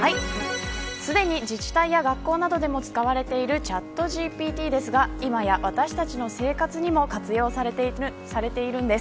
すでに自治体や学校などでも使われているチャットＧＰＴですが今や私たちの生活にも活用されているんです。